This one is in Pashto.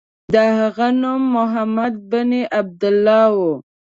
د هغه نوم محمد بن عبدالله و.